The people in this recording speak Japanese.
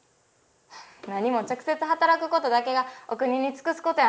なにも直接働くことだけがお国に尽くすことやない。